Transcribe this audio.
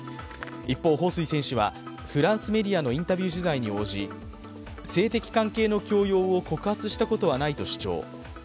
一方、彭帥選手はフランスメディアのインタビュー取材に応じ性的関係の強要を告発したことはないと主張。